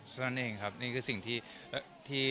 เท่านั้นเองครับนี่คือสิ่งที่